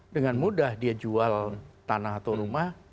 dengan mudah dia jual tanah atau rumah